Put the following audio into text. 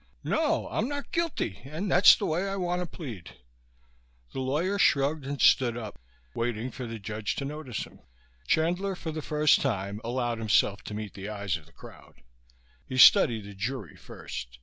"No. I'm not guilty, and that's the way I want to plead." The lawyer shrugged and stood up, waiting for the judge to notice him. Chandler, for the first time, allowed himself to meet the eyes of the crowd. He studied the jury first.